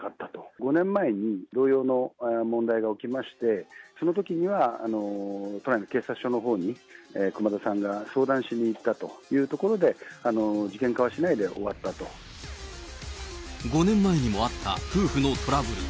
５年前に同様の問題が起きまして、そのときには都内の警察署のほうに、熊田さんが相談しに行ったというところで、事件化はしないで終わ５年前にもあった夫婦のトラブル。